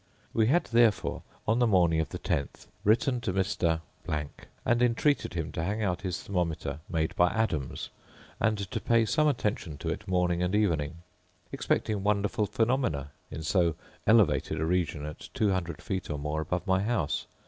We had therefore, on the morning of the 10th, written to Mr. ——, and entreated him to hang out his thermometer, made by Adams; and to pay some attention to it morning and evening; expecting wonderful phaenomena, in so elevated a region, at two hundred feet or more above my house.